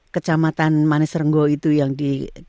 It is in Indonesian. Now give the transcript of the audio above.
kecamatan manisrenggo itu yang di